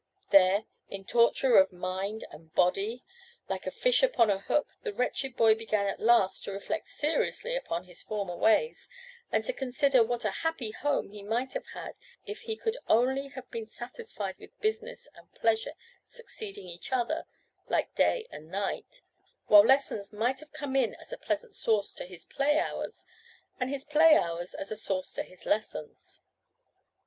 There, in torture of mind and body, like a fish upon a hook, the wretched boy began at last to reflect seriously upon his former ways, and to consider what a happy home he might have had, if he could only have been satisfied with business and pleasure succeeding each other, like day and night, while lessons might have come in as a pleasant sauce to his play hours, and his play hours as a sauce to his lessons.